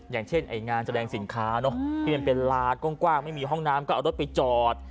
อย่างเช่นงานแสดงสินค้าที่มันเป็นลากว้างไม่มีห้องน้ำก็เอารถไปจอด